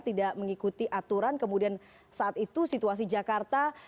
tidak mengikuti aturan kemudian saat itu situasi jakarta